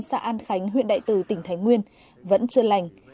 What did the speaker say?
xã an khánh huyện đại từ tỉnh thái nguyên vẫn chưa lành